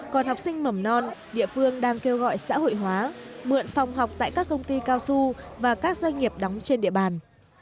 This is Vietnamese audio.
còn học sinh mầm non địa phương đang kêu gọi xã hội hóa mượn phòng học tại các công ty cao su và các doanh nghiệp đóng trên địa bàn